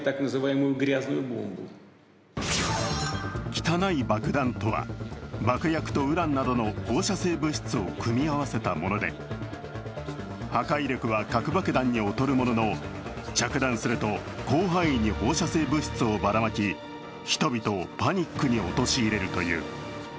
汚い爆弾とは爆薬とウランなどの放射性廃棄物を組み合わせたもので破壊力は核爆弾に劣るものの、着弾すると広範囲に放射性物質をばらまき、人々をパニックに陥れるという。